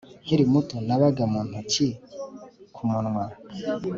Nkiri muto nabaga mu ntoki ku munwa